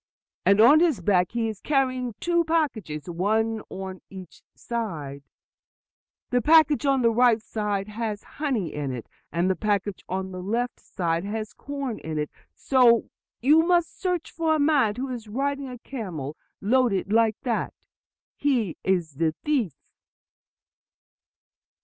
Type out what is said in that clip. And on his back he is carrying two packages, one on each side; the package on the right side has honey in it, and the package on the left side has corn in it. So you must search for a man who is riding a camel loaded like that. He is the thief."